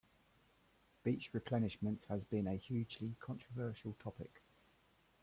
Beach replenishment has been a hugely controversial topic.